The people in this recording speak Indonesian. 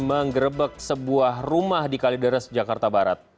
menggerebek sebuah rumah di kalideres jakarta barat